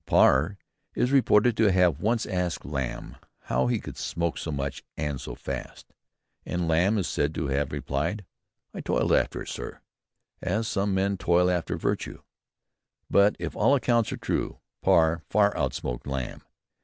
Parr is reported to have once asked Lamb how he could smoke so much and so fast, and Lamb is said to have replied "I toiled after it, sir, as some men toil after virtue." But if all accounts are true, Parr far outsmoked Lamb.